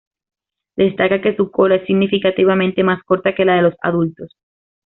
Destaca que su cola es significativamente más corta que la de los adultos.